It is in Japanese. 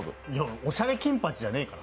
おしゃれ金八じゃねぇから。